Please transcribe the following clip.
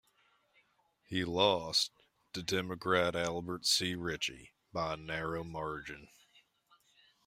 He lost to Democrat Albert C. Ritchie by a narrow margin.